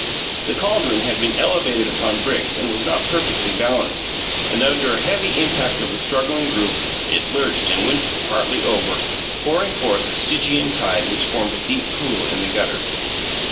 The caldron had been elevated upon bricks and was not perfectly balanced; and under a heavy impact of the struggling group it lurched and went partly over, pouring forth a Stygian tide which formed a deep pool in the gutter.